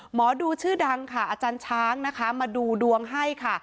หมอดูชื่อดังค่ะอาจารย์ช้างนะคะมาดูดวงให้ค่ะ